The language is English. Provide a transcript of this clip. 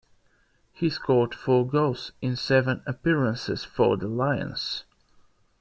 He scored four goals in seven appearances for the Lions.